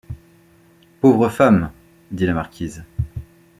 Pauvre femme ! dit la marquise.